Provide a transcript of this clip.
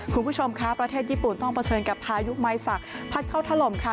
คุณผู้ชมคะประเทศญี่ปุ่นต้องเผชิญกับพายุไม้สักพัดเข้าถล่มค่ะ